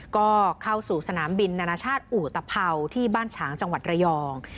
ก็เข้าสู่สนามบินนานาชาติอุตภัวที่บ้านฉางจังหวัดระยอง